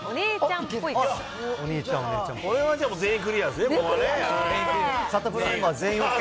そしてお兄ちゃん、これはもう全員クリアですね。